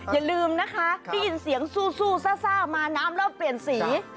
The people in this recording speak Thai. อย่าลืมนะคะได้ยินเสียงสู้ซ่ามาน้ำแล้วเปลี่ยนสี